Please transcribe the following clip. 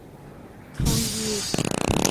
ทองหยิบ